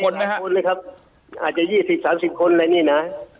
นะครับอาจจะ๒๐๓๐คนเลยนะ